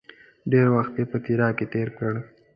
ډېر وخت یې په تیراه کې تېر کړ.